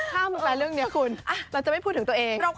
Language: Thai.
ถ้ามึงแปลเรื่องนี้คุณเราจะไม่พูดถึงตัวเอง